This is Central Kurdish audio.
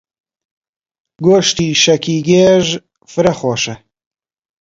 گۆشتی شەکی گێژ فرە خۆشە.